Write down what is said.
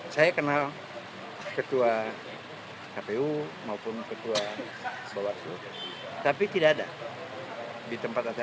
saya kenal ketua kpu maupun ketua bawaslu tapi tidak ada di tempat anda